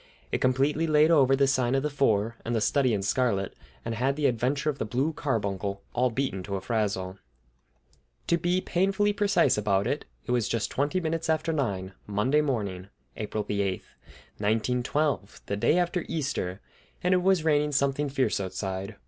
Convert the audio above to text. It completely laid over "The Sign of the Four" and "The Study in Scarlet," and had "The Adventure of the Blue Carbuncle" all beaten to a frazzle. To be painfully precise about it, it was just twenty minutes after nine, Monday morning, April the eighth, 1912, the day after Easter, and it was raining something fierce outside.